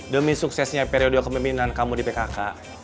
demi suksesnya periode kemimpinan kamu di pkk